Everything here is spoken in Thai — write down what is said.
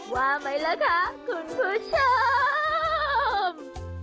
ว่าไหมล่ะคะคุณผู้ชม